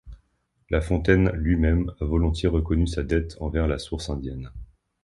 La Fontaine lui-même a volontiers reconnu sa dette envers la source indienne.